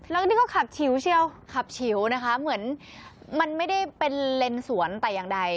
แล้วก็นี่ก็ขับชิวเชียวขับชิวนะคะเหมือนมันไม่ได้เป็นเลนสวนแต่อย่างใด